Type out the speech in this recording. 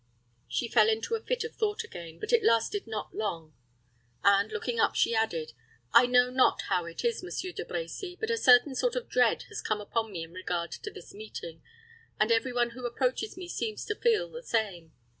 She fell into a fit of thought again, but it lasted not long; and, looking up, she added, "I know not how it is, Monsieur De Brecy, but a certain sort of dread has come upon me in regard to this meeting, and every one who approaches me seems to feel the same.